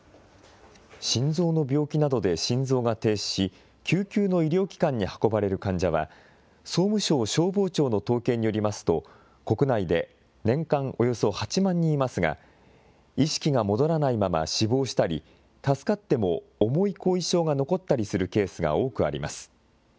心臓の病気などで心臓が停止し、救急の医療機関に運ばれる患者は、総務省消防庁の統計によりますと、国内で年間およそ８万人いますが、意識が戻らないまま死亡したり、助かっても重い後遺症が残ったりするケースが多くあります。